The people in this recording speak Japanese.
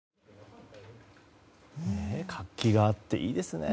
活気があっていいですね。